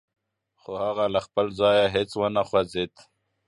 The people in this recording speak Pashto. خو هغه له خپل ځايه هېڅ و نه خوځېده.